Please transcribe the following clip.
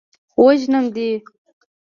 وژنم دې.